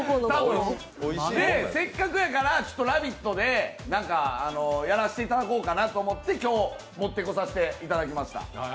せっかくやから「ラヴィット！」でやらせていただこうかなと思って今日持ってこさせていただきました。